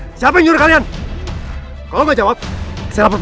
untuk memberikan kesaksian